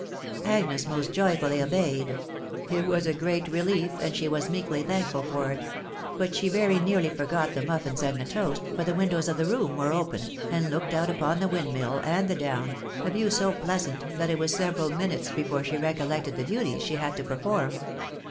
'* Agnes most joyfully obeyed. It was a great relief, and she was meekly thankful for it; but she very nearly forgot the muffins and the toast, for the windows of the room were open, and looked out upon the windmill and the down, a view so pleasant that it was several minutes before she recollected the duties she had to perform.